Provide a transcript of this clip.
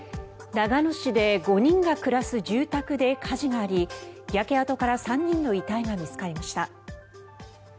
長野市で５人が暮らす住宅で火事があり焼け跡から３人の遺体が見つかりました。